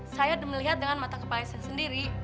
saya melihat dengan mata kepala saya sendiri